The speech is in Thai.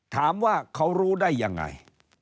ถามว่าเขารู้ได้ยังไง